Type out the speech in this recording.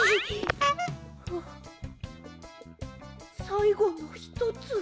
さいごのひとつ。